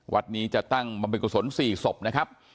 วัดนี้จะตั้งบำเพ็ญกุศล๔ศพนะครับ